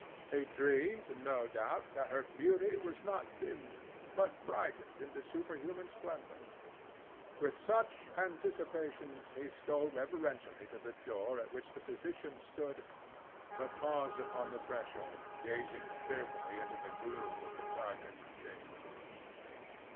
He dreamed, no doubt, that her beauty was not dimmed, but brightened into superhuman splendor. With such anticipations he stole reverentially to the door at which the physician stood, but paused upon the threshold, gazing fearfully into the gloom of the darkened chamber.